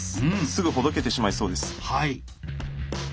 すぐほどけてしまいそうです。